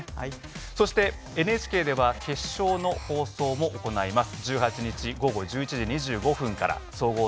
そしてＮＨＫでは決勝の放送も行います。